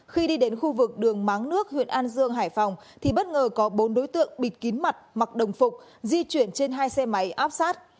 khi đi đến khu vực đường máng nước huyện an dương hải phòng thì bất ngờ có bốn đối tượng bịt kín mặt mặc đồng phục di chuyển trên hai xe máy áp sát